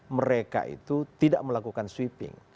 mereka itu tidak melakukan sweeping